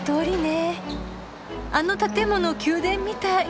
あの建物宮殿みたい。